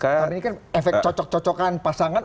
karena ini kan efek cocok cocokan pasangan